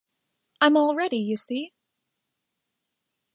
I'm all ready, you see.